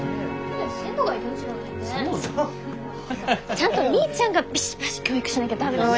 ちゃんとみーちゃんがビシバシ教育しなきゃ駄目だよ。